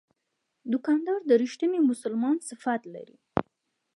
دوکاندار د رښتیني مسلمان صفات لري.